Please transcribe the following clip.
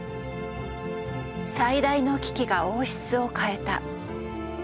最大の危機が王室を変えた。